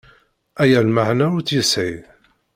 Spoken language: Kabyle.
Aya lmeεna ur tt-yesεi.